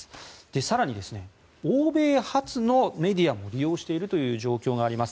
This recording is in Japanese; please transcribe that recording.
更に、欧米発のメディアも利用しているという状況があります。